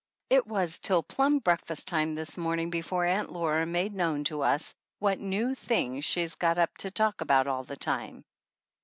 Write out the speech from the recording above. It was till plumb breakfast time this morning before Aunt Laura made known to us what new 58 THE ANNALS OF ANN thing she's got up to talk about all the time.